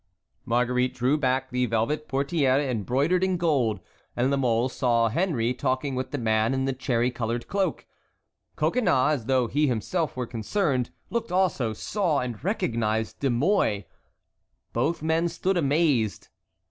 Marguerite drew back the velvet portière embroidered in gold, and La Mole saw Henry talking with the man in the cherry colored cloak. Coconnas, as though he himself were concerned, looked also, saw, and recognized De Mouy. Both men stood amazed.